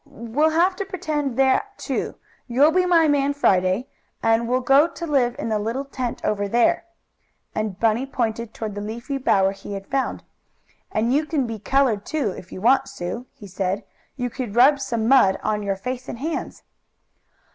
"We'll have to pretend that, too. You'll be my man Friday, and we'll go to live in the little tent over there," and Bunny pointed toward the leafy bower he had found. "And you can be colored, too, if you want, Sue," he said. "You could rub some mud on your face and hands."